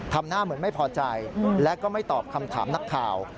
ทำหน้าเหมือนไม่พอใจและก็ไม่ตอบคำถามนักข่าว